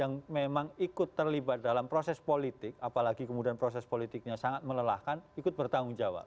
yang memang ikut terlibat dalam proses politik apalagi kemudian proses politiknya sangat melelahkan ikut bertanggung jawab